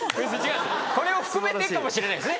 これを含めてかもしれないですね